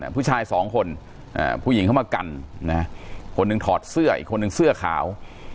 ผู้ชายสองคนผู้หญิงเข้ามากันคนหนึ่งถอดเสื้ออีกคนนึงเสื้อขาว